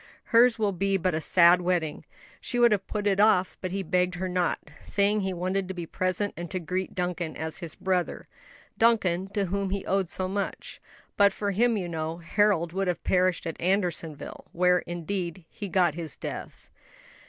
hers will be but a sad wedding. She would have put it off, but he begged her not, saying he wanted to be present and to greet Duncan as his brother Duncan, to whom he owed so much. But for him, you know, Harold would have perished at Andersonville; where, indeed, he got his death."